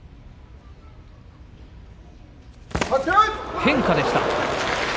変化でした。